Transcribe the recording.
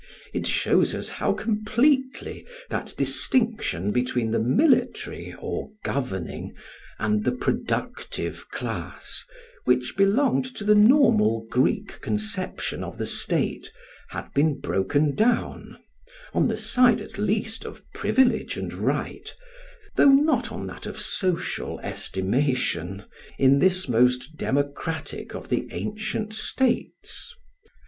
It shows us how completely that distinction between the military or governing, and the productive class, which belonged to the normal Greek conception of the state, had been broken down, on the side at least of privilege and right, though not on that of social estimation, in this most democratic of the ancient states.